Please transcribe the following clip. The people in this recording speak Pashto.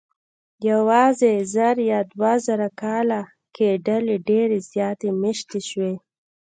یواځې زر یا دوه زره کاله کې ډلې ډېرې زیاتې مېشتې شوې.